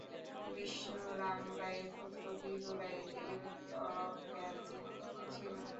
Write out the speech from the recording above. বিষ্ণুরাম রায়ের পুত্র বীরু রায়ের এইরূপ অখ্যাতি ছিল।